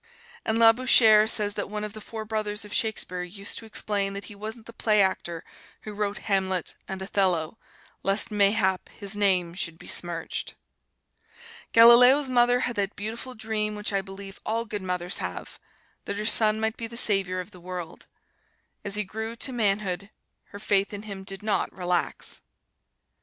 And Labouchere says that one of the four brothers of Shakespeare used to explain that he wasn't the play actor who wrote "Hamlet" and "Othello," lest, mayhap, his name should be smirched. Galileo's mother had that beautiful dream which I believe all good mothers have: that her son might be the savior of the world. As he grew to manhood, her faith in him did not relax.